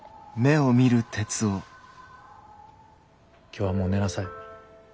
今日はもう寝なさい。